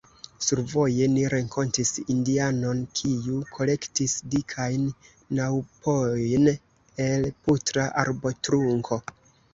Survoje ni renkontis indianon, kiu kolektis dikajn raŭpojn el putra arbotrunko.